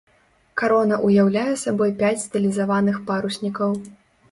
Карона ўяўляе сабой пяць стылізаваных паруснікаў.